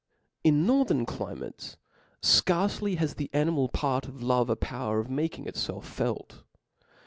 In northern climates fcarce has the animal part of lovt a power of making itlelf felt.